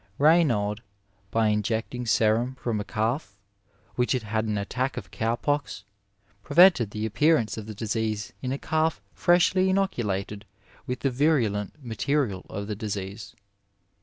Raynaud, by injecting serum from a calf which had had an attack of cow pox, prevented the appearance of the disease in a calf freshly inoculated with the virulent material of the disease.